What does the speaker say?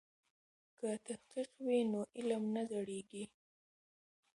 که تحقیق وي نو علم نه زړیږي.